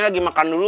ini lagi makan dulu